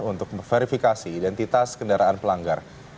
untuk verifikasi identitas kendaraan pelanggar